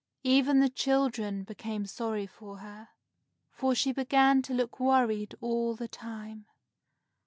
Even the children became sorry for her, for she began to look worried all the time.